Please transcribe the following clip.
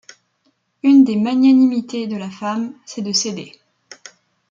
Une des magnanimités de la femme, c’est de céder.